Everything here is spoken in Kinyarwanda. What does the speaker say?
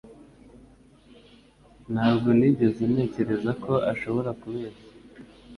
Ntabwo nigeze ntekereza ko ashobora kubeshya.